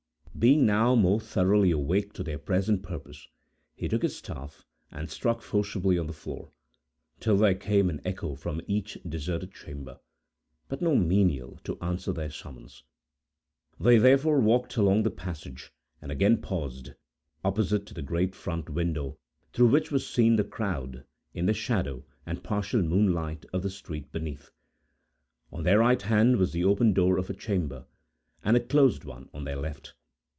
Being now more thoroughly awake to their present purpose, he took his staff, and struck forcibly on the floor, till there came an echo from each deserted chamber, but no menial, to answer their summons. They therefore walked along the passage, and again paused, opposite to the great front window, through which was seen the crowd, in the shadow and partial moonlight of the street beneath. On their right hand was the open door of a chamber, and a closed one on their left.